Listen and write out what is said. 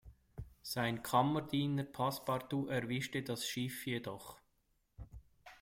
Sein Kammerdiener Passepartout erwischte das Schiff jedoch.